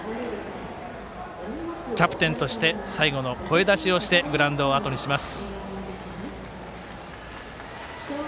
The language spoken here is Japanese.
キャプテンとして最後の声出しをしてグラウンドをあとにします。